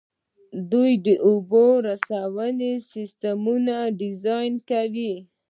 دوی د اوبو رسونې سیسټمونه ډیزاین کوي.